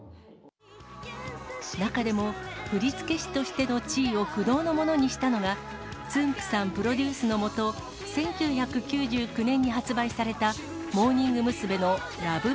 中でも、振付師としての地位を不動のものにしたのが、つんく♂さんプロデュースの下、１９９９年に発売されたモーニング娘。のＬＯＶＥ